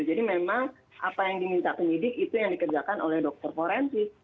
jadi memang apa yang diminta penyidik itu yang dikerjakan oleh dr forensik